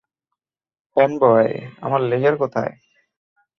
Fanboy, আমার laser কোথায়?